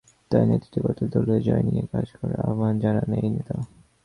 তাই নেতৃত্বের বদলে দলীয় জয় নিয়ে কাজ করার আহ্বান জানান এই নেতা।